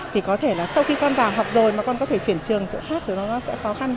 thì có thể là sau khi con vào học rồi mà con có thể chuyển trường chỗ khác thì nó sẽ khó khăn